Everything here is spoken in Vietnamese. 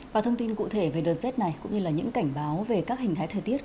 và thông tin cụ thể về đợt rét này cũng như là những cảnh báo về các hình thái thời tiết